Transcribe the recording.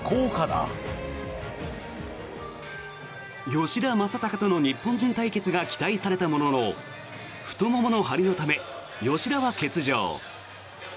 吉田正尚との日本人対決が期待されたものの太ももの張りのため吉田は欠場。